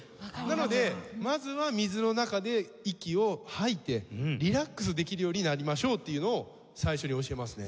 なのでまずは水の中で息を吐いてリラックスできるようになりましょうっていうのを最初に教えますね。